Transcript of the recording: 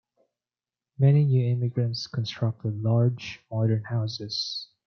Many new immigrants constructed large, modern houses.